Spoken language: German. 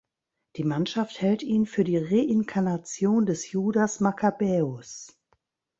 Die Mannschaft hält ihn für die Reinkarnation des Judas Makkabäus.